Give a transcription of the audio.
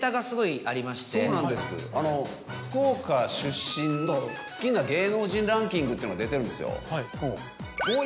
そうなんです福岡出身の好きな芸能人ランキングっていうのが出てるんですよ。